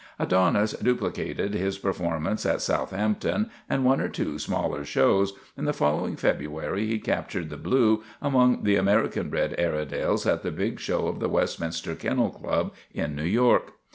Adonis duplicated his performance at Southamp ton and one or two smaller shows, and the following February he captured the blue among the American bred Airedales at the big show of the Westminster Kennel Club in New York.